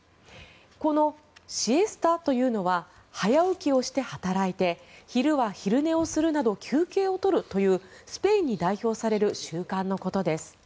このシエスタというのは早起きをして働いて昼は昼寝をするなど休憩を取るというスペインに代表される習慣のことです。